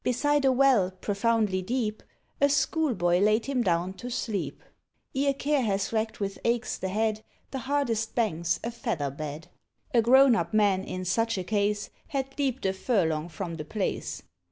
Beside a well profoundly deep A Schoolboy laid him down to sleep. Ere care has racked with aches the head, The hardest bank 's a feather bed; A grown up man, in such a case, Had leaped a furlong from the place.